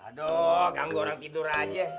aduh ganggu orang tidur aja